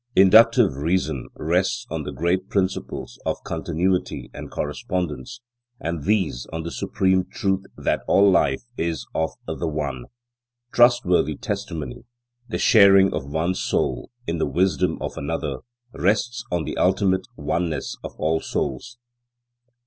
Inductive reason rests on the great principles of continuity and correspondence; and these, on the supreme truth that all life is of the One. Trustworthy testimony, the sharing of one soul in the wisdom of another, rests on the ultimate oneness of all souls.